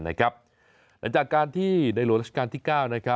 หลังจากการที่ในหลวงราชการที่๙